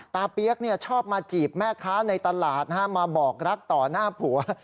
เปี๊ยกชอบมาจีบแม่ค้าในตลาดมาบอกรักต่อหน้าผัว